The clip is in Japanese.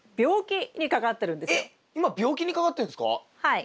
はい。